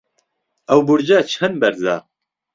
ئەو بورجە چەند بەرزە؟